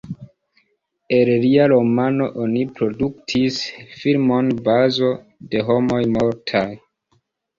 El lia romano oni produktis filmon Bazo de homoj mortaj.